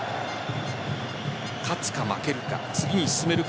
勝つか負けるか、次に進めるか